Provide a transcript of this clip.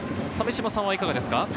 鮫島さんはいかがですか？